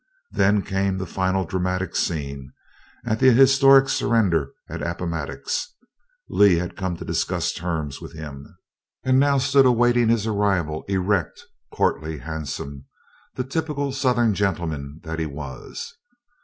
Then came the final dramatic scene at the historic surrender at Appomattox. Lee had come to discuss terms with him, and now stood awaiting his arrival, erect, courtly, handsome the typical Southern gentleman that he was.